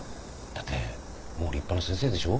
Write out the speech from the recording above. だってもう立派な先生でしょ？